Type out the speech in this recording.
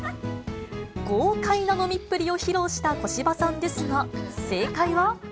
豪快な飲みっぷりを披露した小芝さんですが、正解は。